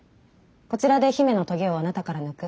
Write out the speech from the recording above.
こちらで姫の棘をあなたから抜く。